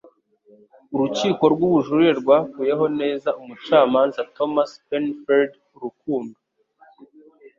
Urukiko rw'ubujurire rwakuyeho neza umucamanza Thomas Penfield Rukundo